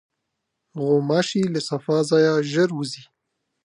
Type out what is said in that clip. غوماشې له صفا ځایه ژر وځي.